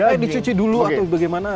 ya dicuci dulu atau bagaimana